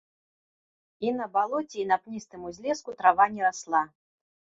І на балоце, і на пністым узлеску трава не расла.